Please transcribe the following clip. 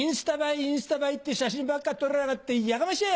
インスタ映えって写真ばっか撮りやがってやかましいやい！